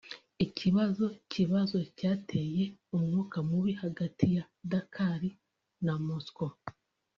Ikibazo kibazo cyateye umwuka mubi hagati ya Dakar na Moscou